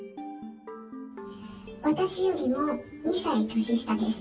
私よりも２歳年下です。